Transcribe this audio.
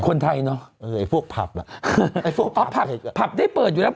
คนไทยเนอะเออไอ้พวกผับล่ะไอ้พวกพับผับผับได้เปิดอยู่แล้ว